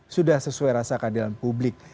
sudah sesuai rasa keadilan publik